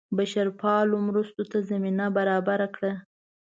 بشرپالو مرستو ته زمینه برابره کړه.